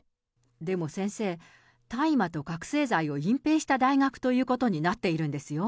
でも先生、大麻と覚醒剤を隠蔽した大学ということになっているんですよ。